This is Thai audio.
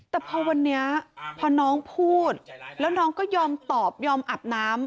แต่พอวันนี้พอน้องพูดแล้วน้องก็ยอมตอบยอมอาบน้ำ